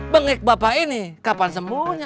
bengit bapak ini kapan semuanya